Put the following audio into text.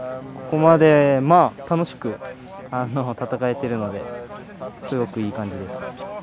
ここまで楽しく戦えているので、すごくいい感じです。